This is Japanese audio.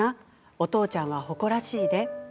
お父ちゃんは誇らしいで。